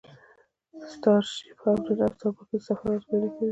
سټارشیپ هم نن او سبا کې د سفر ازموینه کوي.